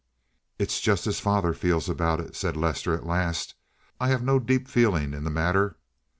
"It's just as father feels about it," said Lester at last. "I have no deep feeling in the matter.